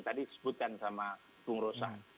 tadi disebutkan sama bung rosa